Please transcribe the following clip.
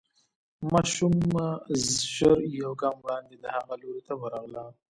ماشومه ژر يو ګام وړاندې د هغه لوري ته ورغله.